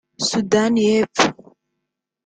Sudani y’Epfo